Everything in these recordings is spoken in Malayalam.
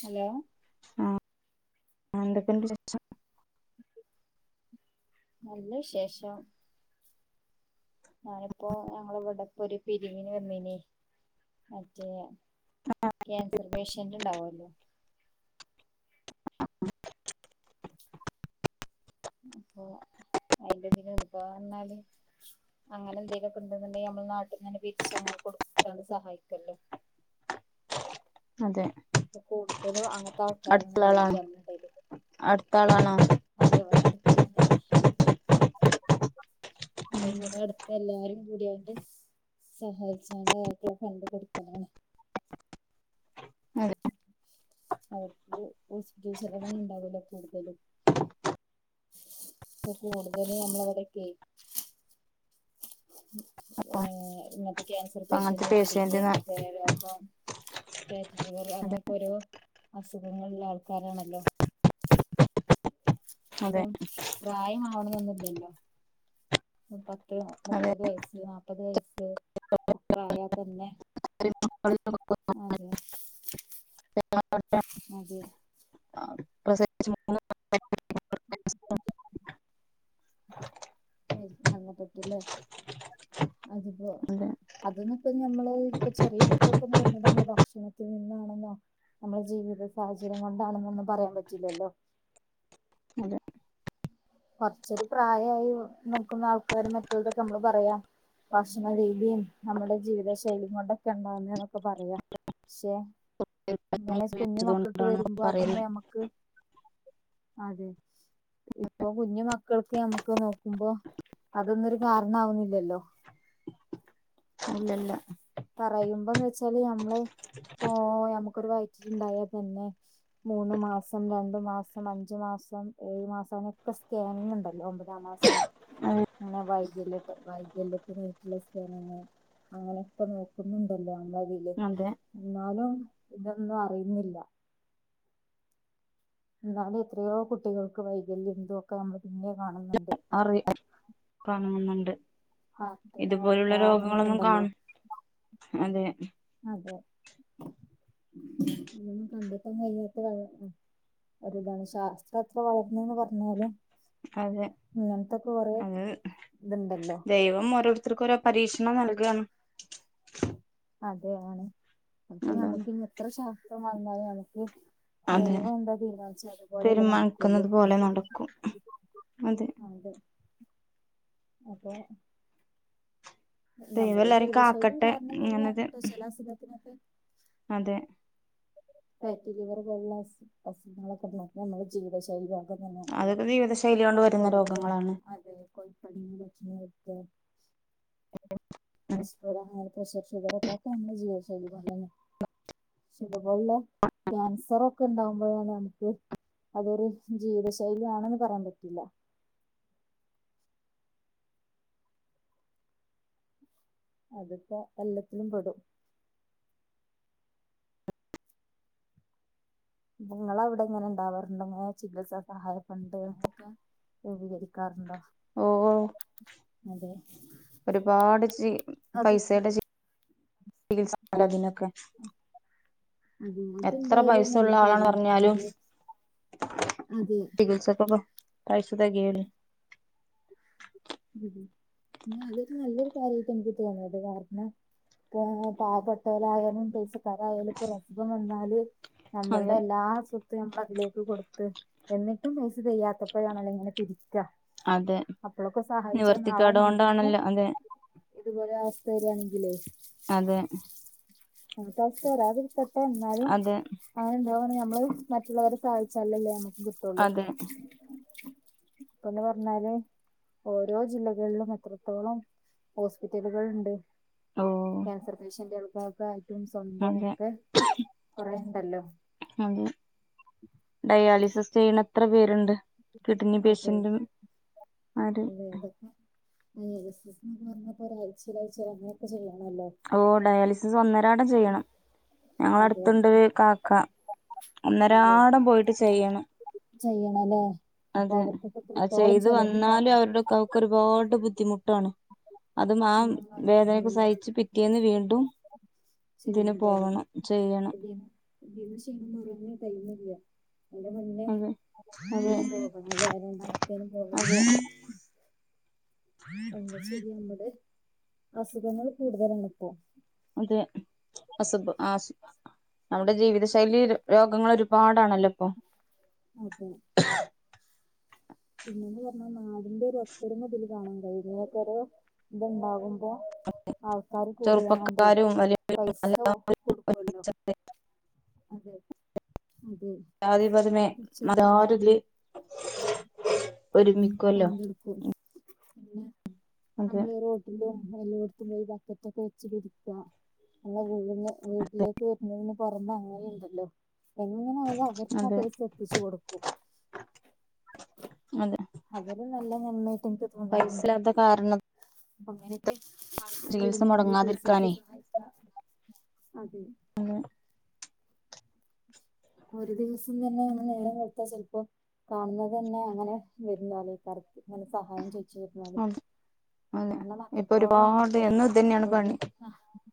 ഹലോ ആ എന്തൊക്കെണ്ട് നല്ല വിശേഷം ഞാനിപ്പോ ഞങ്ങള ഇവിടെപ്പോ ഒരു പിരിവിന് വന്നീ നിമറ്റേ ക്യാൻസർ പേഷ്യന്റ് ഉണ്ടാവല്ലോ അപ്പൊ അയിന്റെതി ഇപ പറഞ്ഞാല് അങ്ങനെ എന്തെങ്കലുമൊക്കെ ഉണ്ടെന്നുണ്ടെങ്കിൽ നമ്മൾ നാട്ടിൽന്നെ പിരിച്ച് അങ്ങനെ കൊടുക്കാണ്ട് സഹായിക്കല്ലോ അതെ ഇപ്പ കൂടുതല അങ്ങനത്തെ അടുത്തുള്ള ആൾക്കാരാന്നെള്ളത് ആളാണ് നമ്മ ടെടെല് അടുത്ത ആളാണോ അതേപോലെഅടുത്തുള്ള തന്നെ അതെ അപ്പ ഇവിടെ അടുത്ത് എല്ലാരും കൂട്യാണ്ട് സഹായിച്ചാണ്ട് അയാക്കുള്ള ഫണ്ട് കൊട്ക്കലാണ് കൊടുക്കണംാണ് അതെ അവർക്ക് ഹോസ്പിറ്റൽ ചെലവ് ഉണ്ടാവലോ കൂടുതൽ ഇപ്പൊ കൂടുതൽ നമ്മളെ ഇവ ടെക്കെ അവരൊക്കെ ആഹ അപ്പ ഇങ്ങ ക്യാൻസർ പേഷ്യന്റ് കിഡ്നി ഹൃദയരോഗം ഫാറ്റ് ലിവർ അതെ അങ്ങനെയക്കെ ഓരോ അസുഖങ്ങളുള്ള ആൾക്കാരാണല്ലോ അതെ അപ്പം പ്രായംമാവണ എന്നന്ന ല്ല അതെ മുപ്പത് വയസ് മുപ്പത് വയസ്സ് ഒക്കെ ആയാാൽ തന്നെ അതെ ചല്ല പട്ട ആ പ്രസവിച്ചു മൂന്നു മാസം കഴിഞ്ഞു നന്ന പട്ടില്ലേ അതിപ്പോ അതെ അതൊന്ന ഇപ്പോ നഞമ്മള് ഇപ്പൊ ചെറിയ കുട്ടികൾക്കൊന്നും വരണ നമ്മള് ഭക്ഷണത്തിൽ നിന്നാണെന്നോ നമ്മുടെ ജീവിത സാഹചര്യം കൊണ്ടാണെന്നോ ഒന്നും പറയാൻ പറ്റില്ലല്ലോ അതെ കുറച്ചൊരു പ്രായമായി നോക്കുന്ന ആൾക്കാര് മറ്റുള്ളതൊക്കെ നമ്മള് പറയാ ഭക്ഷണരീതിയും നമ്മുടെ ജീവിത ശൈലിയും കൊണ്ടൊക്കെ ഉണ്ടാവുന്ന എന്നൊക്കെ പറയാ പക്ഷെ ഇങ്ങനെ കുഞ്ഞു മക്കൾക്ക് അതുകൊണ്ടാണ് വരുമ്പോ അതന്ന് പറയുന്നത് നമ്മക്ക് അതെ ഇപ്പൊ കുഞ്ഞു മക്കൾക്ക് നമ്മുക്ക് നോക്കുമ്പോ അതൊന്നുംരു കാരണവുന്നില്ലല്ലോ ഇല്ലല്ല പറയുമ്പോന്ന് വെച്ചാല് നഞമ്മള് പ്പോ നമുക്കൊരു വ ജ് ഉണ്ടായാൽ പിന്നെ മൂന്ന് മാസം രണ്ട് രണ്ടു മാസം അഞ്ചു മാസം ഏഴു മാസം അനൊക്കെ സ്കാനിങ് ഉണ്ടല്ലോ ഒമ്പതാം മാസം അതെ മ്മവൈകല്യ ട്ട് വൈകല്യം വൈറ്റിലെ സ്കാനിംഗ് അങ്ങനെയൊക്കെ നോക്കുന്നുണ്ടല്ലോ ഉണ്ടാവില്ലേ അതെ എന്നാലും ഇതൊന്നും അറിയുന്നില്ല എന്നാലും എത്രയോ കുട്ടികൾക്ക് വൈകല്യം ഇതൊക്കെ നമ്മൾ പിന്നെ കാണുന്നുണ്ട് അറിയാം കാണുന്നുണ്ട് ഹാർട്ടിറ് ഓട്ട ഇതുപോലുള്ള അങ്ങനെയൊക്കെ രോഗങ്ങളൊന്നും ഉണ്ടല്ലോ കാണും അതെ അതെ അതൊന്നും കണ്ടെതാൻ കഴിയാത്ത ത ഒരിതാണ് ശാസ്ത്രം എത്ര വളർന്നന്ന് പറഞ്ഞാലും അതെ ഇങ്ങനത്തെക്കെ കൊറെ ഇതുണ്ടല്ലോ മംഓരോരുത്തർക്കും ഓരോ പരീക്ഷണം നൽകയാണ് അതെയാ ണ് അപ്പ ഞമ്മക്ക് ഇന്ന എത്രഷ ഇപ്പം വന്നായി എനിക്ക് അതെ ദൈവം എന്താ തീരുമാനിച്ച അതുപോലല്ലേ നടക്കുള്ളൂ തീരുമാനിക്കുന്നത് പോലെ നടക്കും അതെ അപ്പോ ദൈവം നമ്മുടെ എല്ലാരും ജീവിതശൈലിയും കാക്കട്ടെ കാരണം ഇങ്ങനത് തന്നെയാണ് ചില അസുഖത്തിനൊക്കെ അതെ ഫാറ്റി ലിവർ പോലുള്ള അസ് അസുഖങ്ങളൊക്കെ നമ്മുടെ ജീവിത ശൈലിയാ ല അതൊക്കെ ജീവിതശൈലി കൊണ്ട് വരുന്ന [unintelligible] രോഗങ്ങളാണ് [unintelligible] കൊളസ്‌ട്രോളും പ്രഷറും ഷുഗറൊക്കെ അതൊക്കെ നമ്മളെ ജീവിത ശൈലി കൊണ്ടെന്നെ ത് പോലെള്ളേ ക്യാൻസറും ഒക്കെ ഉണ്ടാവുമ്പോഴാണ് നമ്മക്ക് അതൊരു ജീവിത ശൈലി ആണെന്ന് പറയാൻ പറ്റില്ല അത്പ്പോ എല്ലത്തിലും പെടും നിങ്ങളെ അവടെ ഇങ്ങനെ ണ്ടാവാറുണ്ടോ ങ്ങനെ ചികിത്സാ സഹായ ഫണ്ട് അങ്ങനെയൊക്കെ രൂപീകരിക്കാറുണ്ടോ ഓ ഓ അതെ ഒര്പാട് ചി അത് പൈസേടെ ചികിത്സതിനൊക്കെ അതെ അതെന്തായാലും നല്ല ആളാണ് കാര്യം പറഞ്ഞാലും തന്നെണ്ല്ലേ ചികിത്സക്കൊക്കെ പൈസ തെകയൂലെ പിന്നെ അതൊരു നല്ലൊരു കാര്യമായിട്ട് എനിക്ക് തോന്നിയത് കാരണം ഇപ്പ പാവപ്പെട്ടോലായാലും പൈസ ത്തരായാലും ഒരസുഗം വന്നാ അതെ നമ്മൾടെ അതെ എല്ലാ സ്വത്തും നമ്മള് അതിലേക്ക് കൊടുത്ത് എന്നിട്ടും പൈസ തെകയാത്തപ്പോഴാണല്ലോ ഇങ്ങനെ പിരിക്ക അതെ സഹായിച്ച നാളെ നിവർത്തിക്കേട് നമുക്കും കൊണ്ടാണല്ലോ അതെ ഇതുപോലൊരു അവസ്ഥ വര്യാണെങ്കിലേ അതെ നമുക്കാവസ്ഥ വരാതിരിക്കട്ടെ. എന്നാലും അതെ അങ്ങനന്തോ പറഞ്ഞാ നമ്മള് മറ്റുള്ളവരെ സഹായിച്ചാലല്ലേ നമു ങ്കിട്ടൊള്ളു അതെ ഒന്ന് പറഞ്ഞാലേ ഓരോ ജില്ലകളിലും എത്രത്തോളം ഹോസ്പിറ്റലുകള്ണ്ട് ഓ കാൻസർ പേഷ്യന്റെളും ഓക്കായ് തും സ്വന്തോം അതെ ഒക്കെ കൊറേ ഹല്ലോ അതെ ഡയാലി [unintelligible] ചെയ്യ്ണത് എത്ര പേര്ണ്ട് കിഡ്നി അതെ പേഷ്യന്റുകൾ ആര് ഡയിലിസിസ്ന്ന് പർണ പോലെ ഒര് ആഴ്ച്ചീൽ ലാഴ്ച്ചീൽ അങ്ങനൊക്കെ ചെയ്യാ ഓ ഡയാലിസിസ് ഒന്നരാ ടം ചെയ്യണം ഞങ്ങളെ അതെ അടുത്ത്ണ്ടൊര് കാക്ക അതെ ഒന്നരാടം പോയിട്ട് ചെയ്യണം ചെയ്യണല്ലേ അപ്പൊ അതെ അവർക്കൊക്കെ അയ് എത്രത്തോളം ചെയ്ത് വന്നാലും ചെലവുണ്ടാകും അവരുടെക്കെ അവക്ക് ഒരുപാ ട്ട് ബുദ്ധിമുട്ടാണ് അതും ആ ക്ഷീണന്മാരൊക്കെ വേദനൊക്കെ ഉണ്ടാവില്ലേ സഹിച്ച് പി റ്റേന്ന് വീണ്ടും ഇതിന് ചെയ്യുമ്പോഴ് പോകണം ചെയ്യണം ഇതിന് ഇല്ല്യാ അയിന്റെ മുന്നേ അതെ അതെ ഇതിനും പോകണം ലെ രണ്ടാമെത്തേനും പോകണം അതെ എന്താ ചെയ്യാ നമ്മുട് അസുഖങ്ങൾ കൂടുതലണ ഇപ്പോ അതെ അസു ബം അസുഖം ഔടെ ജീവിത ശൈലീ രോഗങ്ങൾ ഒരുപാടാണല്ലോ പ്പം അതെ പിന്നെന്ന് പറഞ്ഞാൽ നാടിന്റെ ഒരു ഒത്തൊരുമ അതിൽ കാണാൻ കഴിയും കൊറേ ഇത്ണ്ടാകും ചെറുപ്പക്കാരുംവലിയവരും പൈസ എല്ലാരും കൊടുക്കുമല്ലോ ഒരുമിച്ചു അതെ അതെ ജാതിപതിമേ ചെറുപ്പം മല്ലാരും ഇതില് ഒരുമിക്കൊല്ലോ പങ്കെടുക്കും പിന്നെ നമ്മള് റോട്ടില് വല്ലോടുത്തും പോയി ബക്കറ്റ് ഒക്കെ വെച്ച് പിരിക്കണം പിന്നെ അതെ വീട്ടിലേക്ക് വർനേനും പൊറമേ അങ്ങനെയുണ്ടല്ലോ എങ്ങനെയാലും അവർക്ക് ആ അതെ പൈസ എത്തിച്ചു കൊടുക്കും അതൊരു നല്ല നന്മ പൈസഇല്ലാത്ത കാരണം അങ്ങനൊക്കെ ആൾക്കാർ ചികിത്സ വരുമ്പോ നമ്മള് പൈസ ഇട്ട് മുടങ്ങാതിരിക്കാനേ സഹായിച്ച അതെ ഒരു ദിവസം തന്നെ നമ്മൾ നേരം വെളുത്ത ചിലപ്പോ കാണുന്നത് തന്നെ അങ്ങനെ വരുന്നുലക്കാർക്ക് അങ്ങനെ സഹായം ചോയിച്ച് ചെയ്യുന്നത് അതെ അതെ കാരണം ഇപ്പൊ അത്രത്തോളം ആണ് ഒരുപാട് ഇപ്പോ എന്നും ഇതന്നെയാണ് ഒരു പണി സഹായം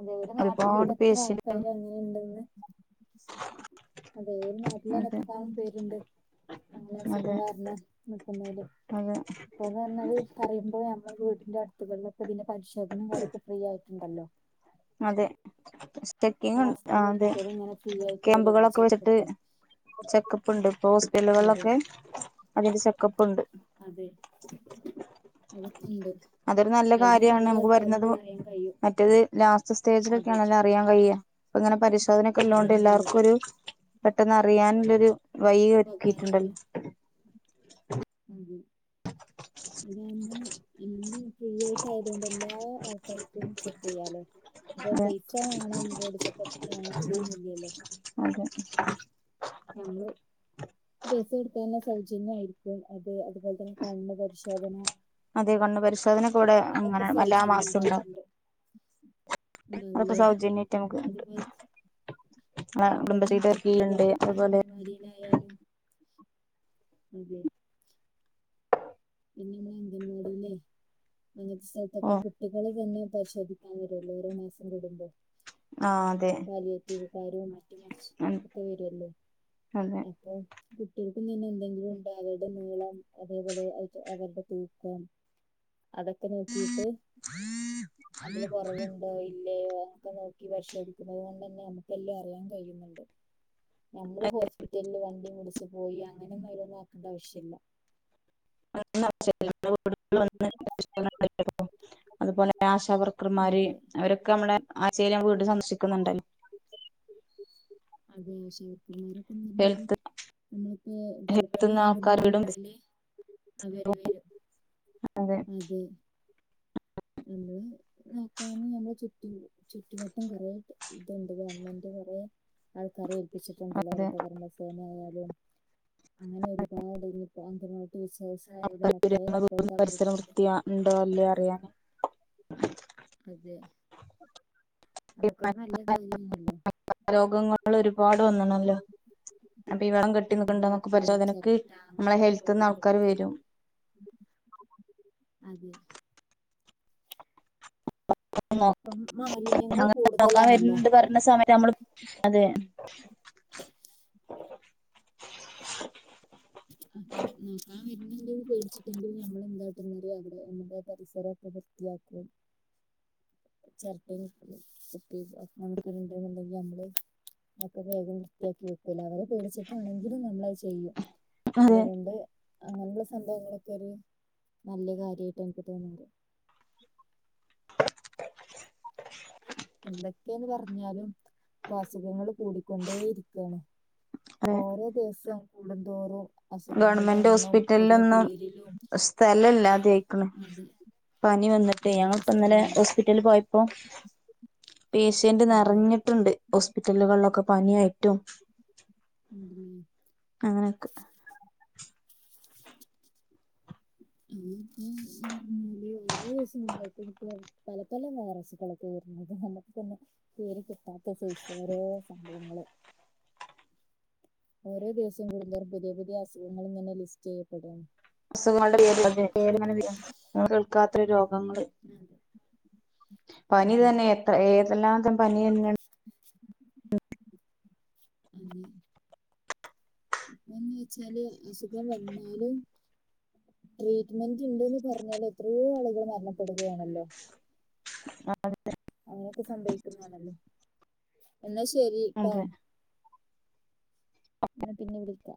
അതെ ഒരു നാട്ടിൽ ഒരുപാട് ഇപ്പം എത്ര ആൾ പേഷ്യന്റ് ങ്ങനെണ്ടന്ന് അത നാട്ടിൽ തന്നെ അതെ എത്രക്കളം പേരുണ്ട് അങ്ങനെ അസുഖം അതെ കാരണം നക്കുന്നല് അതെ ഇന്ന് പറഞ്ഞല് പറയുമ്പോ നമ്മുടെ വീടിന്റെ അടുത്തുകളിലൊക്കെ പരിശോധനയും കരൊക്കെ ഫ്രീയായിട്ട് ഉണ്ടല്ലോ അതെ ചെക്കിങ് ഉണ്ട് ആ അതെ മാസത്തിലൊരിക്കല് ഇങ്ങനെ ഫ്രീ ആയിട്ട് വരുല്ലോ ക്യാമ്പുകളൊക്കെ വെച്ചിട്ട് ചെക്കപ്പ് ചെക്കപ്പ് ഒണ്ട് ഇപ്പൊ അതെ ഹോസ്പിറ്റലുകളിലൊക്കെ അതിന്റെ ചെക്കപ്പ് ഒണ്ട് അതെ അതൊക്കെണ്ട് അതൊരു നല്ല അയിന്ന് കാര്യമാണ് കൊറേ നമുക്ക് വരുന്നത് ആൾക്കാർക്ക് അറിയാൻ കഴിയും മറ്റെത് ലാസ്റ്റില അതെ സ്റ്റേജിലൊക്കെയാണല്ലെ അറിയാൻ വയ്യാ ഇങ്ങനെ പരിശോധനൊക്കെ ഉള്ളതോണ്ട് അറിയാൻ കഴിയ എല്ലാവർക്കും ഒരു പെട്ടെന്ന് അറിയാനുരു ഉപകാരവാണ് അതെ ഇതുമ്പ ഉ ിയേറ്റ് ആയത കൊൊണ്ട് എല്ലാ ആൾക്കാർക്കും ചെക്ക് ചെയ്യാലോ ഇപ്പൊ അതെ പെയസ വേണംബോഡി ചെക്കപ്പ പിന്നെ അങ്ങക്ക് തന്നില്ലല്ലോ അതെ ഞമ്മള് ബസിടുത്തേനേ സൗജന്യമായിരിക്കും അത് അതുപോലെ തന്നെ കണ്ണ് പരിശോധന അതെ കണ്ണ് പരിശോധന ഒക്കെ ഇവിടെ അതൊക്കെ ഇങ്ങനെ എല്ലാ സൗജന്യം മാസവും ണ്ടാവും ഉണ്ടാവാറുണ്ട് അതൊക്കെ ഉണ്ടാവൂലേ സൗജന്യായിട്ട് നമുക്ക്ണ്ട് അതുപോലെ ആ അതുപോലെ കുടുംബശ്രീടെ കീഴിലിണ്ട് അതുപോലെ അയാലും അതെ പിന്നെമ്മളെ [unintelligible] അംഗാനവാടിലെ [unintelligible] അങ്ങനത്തെ ഓ സ്ഥലത്തൊക്കെ കുട്ടികള് തന്നെ പരിശോധിക്കാൻ വരും ഒരോരോ മാസം കൂടുമ്പം ആ അതെ പാലിയറ്റിവ്കാരും മറ്റതും മറിച്ച് ഒക്കെ വരുവല്ലോ അതെ അപ്പൊ കുട്ടികൾക്കും തന്നെ എന്തെങ്കിലും ഉണ്ടോ അവരുടെ നീളം അതേപോലെ അവരുടെ തൂക്കം അതൊക്കെ നോക്കീട്ട് അതില് കൊറവുണ്ടോ ഇ ഇല്ലയോനോക്കെ നോക്കി പരിശോധിക്കുന്നത്കൊണ്ടെന്നെ നമുക്കെല്ലാം അറിയാൻ കഴിയുന്നുണ്ട് ഞമ്മള് ഹോസ്പിറ്റലില് വണ്ടി വി ച്ച് പോയി അങ്ങനെയൊന്നൊരൊന്നാക്കണ്ട ആവശ്യല്ല [unintelligible] [unintelligible] അതുപോലെ ആശാവർക്കർമാര് അതെ അവരൊക്കെ മ്മളെ ആ ചേല് ഞാൻ വീട് സന്ദർശിക്കുന്നുണ്ട അതെ [unintelligible] ഞ്ഞാല് നമ്മളിപ്പോ ഹെൽത്ത്ന്ന് ആൾക്കാർ ഗർഭിണിയാകുന്നത് വീടും മുതല് അവര് വരും അതെ നമ്മള് നോക്കാൻ നമ്മള് ചുറ്റു നമ്മളെ നോക്കാന് നമ്മളെ ചുറ്റു ചുറ്റുമട്ടും കൊറെ ഇതുണ്ട് ഗവണ്മെന്റ് കൊറെ ആൾക്കാരെ ഏൽ പിച്ചിട്ടുണ്ടല്ലൊ അതെ ഹരിതകർമ സേനയായാ തെ അങ്ങനെ ഒരുപാട് ഇനിപ്പോ അംഗ അപ്പർ ത്ത് [unintelligible] വീടും പരിസരം അവര്ക്കുണ്ട് വൃത്തി ആ ഉണ്ടോ ല്ലേ അറിയാന് [inaudible] അതെ അതൊക്കെരു നല്ല കാര്യണല്ലോ രോഗങ്ങൾ ഒരുപാട് വന്നണല്ലോ അപ്പൊ ഈ വെള്ളം കെട്ടി അതെ നിക്കണ്ടോന്നൊക്കെ ഇപ്പൊ പരിശോധനക്ക് ചെരട്ട നമ്മളെ അങ്ങനത്തെലോക്കെ ഹെൽത്ത്ന്ന് വെള്ളം ആൾക്കാര് കെട്ടിക്കൂല്ലോ വരും അതെ ഇപ്പം [unintelligible] മാലിന്യങ്ങൾ അങ്ങന നോക്കാൻ വ ര ണ് കൂടുതലാണല്ലോ ണ്ട്പറഞ്ഞ സമയ നമ്മള് അതെ [inaudible] വരുന്നുണ്ടെന്ന് പേടിച്ചിട്ട് [inaudible] നമ്മടെ പരിസരം ഒക്കെ വൃത്തിയാക്കും ചെരട്ടയും [inaudible] ണ്ടെന്നുണ്ടെങ്കിൽ നമ്മള് ഒക്കെ വേഗം വൃത്തിയാക്കി വെക്കല്ല അവരെ പേടിച്ചിട്ടാണെങ്കിലും നമ്മളത് ചെ ചെയ്യും അതെ അതുകൊണ്ട് അങ്ങനെയുള്ള സംഭവങ്ങളൊക്കെ ഒരു നല്ല കാര്യമായിട്ട് എനിക്ക് തോന്നുന്നത് എന്തൊക്കെയാന്ന് പറഞ്ഞാലും അസുഖങ്ങൾ കൂടിക്കൊണ്ടേ ഇരിക്കാണ് ഓരോ ദിവസം കൂടുന്തോറും അസുഖങ്ങളുടെ ഗവണ്മെന്റ് എണ്ണം പുതിയ ഹോസ്പിറ്റലിലൊന്നും പേരിലും ഒക്കെ സ്ഥലമില്ലാത ആയിക്കണ് അതെ പനി വന്നിട്ട് അതെ ഞങ്ങളിപ്പോ ഇന്നലെ സ്ഥിതിയില്ല ഹോസ്പിറ്റലിൽ പോയപ്പോ പേഷ്യന്റ് അതെ നിറഞ്ഞിട്ടുണ്ട് ഹോസ്പിറ്റലുകളിലൊക്കെ പനിയായിട്ടും ഉം. അങ്ങനെയൊക്കെ മ് മ് ഓരോ ദിവസങ്ങളിലായിട്ട് ഇപ്പോ പല പല വൈറസുകളൊക്കെ വരുന്നത് നമുക്ക് തന്നെ പേര് കിട്ടാത്ത സൈസ് ഓരോ സംഭവങ്ങള് ഓരോ ദിവസവും കൂടുന്തോറും പുതിയ പുതിയ അസുഖങ്ങൾ ഇങ്ങനെ ലിസ്റ്റ് ചെയ്യപ്പെടാണ് അസുഖങ്ങളുടെ പേരിലൊക്കെ പേര് തന്നെ കേൾക്കാത്ത രോഗങ്ങള് അതെ പനിതന്നെ എത്രഏ എല്ലായിടത്തും പനി തന്നെയാണ് ഇപ്പന്ന് വെച്ചാല് അസുഖം വന്നാലും ട്രീറ്റ്മെന്റ് ഉണ്ടെന്ന് പറഞ്ഞാലും എത്രയോ ആളുകൾ മരണപ്പെടുകയാണല്ലോ അതെ അങ്ങനെയൊക്കെ സംഭവിക്കുന്നതാണല്ലോ എന്നാ ശെരി ട്ടോ അതെ എന്നാ പിന്നെ വിളിക്കാ